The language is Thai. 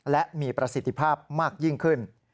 และมีประสิทธิภาพมากยิ่งขึ้น